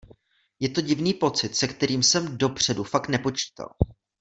Je to divný pocit, se kterým jsem dopředu fakt nepočítal.